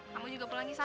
kamu juga pulangin sana